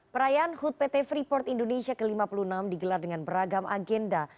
perayaan hut pt freeport indonesia ke lima puluh enam digelar dengan beragam agenda